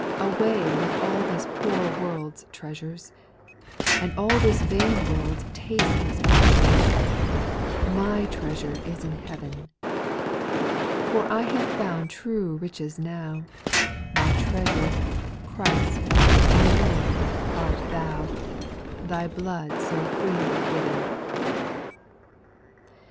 Away with all this poor world's treasures, And all this vain world's tasteless pleasures, My treasure is in heaven ; For I have found true riches now, My treasure, Christ, my Lord, art Thou, Tliy blood so freely given I 2.